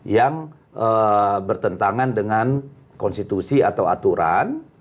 yang bertentangan dengan konstitusi atau aturan